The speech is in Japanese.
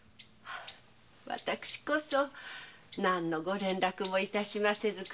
私こそ何のご連絡も致しませず国元に帰り